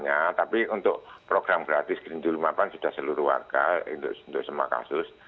ya sudah seluruh warga untuk semua kasus